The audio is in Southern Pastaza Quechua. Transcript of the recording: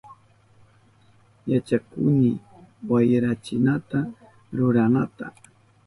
Yachakuhuni wayrachinata ruranata.